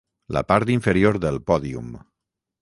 La part inferior del pòdium.